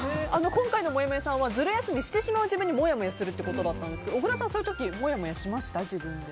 今回のもやもやさんはズル休みしてしまう自分にもやもやするってことだったんですけど小倉さん、そういう時自分にもやもやしました？